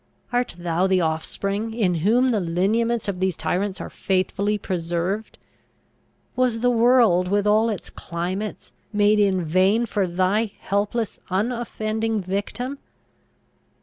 art thou the offspring, in whom the lineaments of these tyrants are faithfully preserved? Was the world, with all its climates, made in vain for thy helpless unoffending victim?